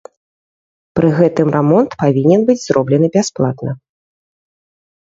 Пры гэтым рамонт павінен быць зроблены бясплатна.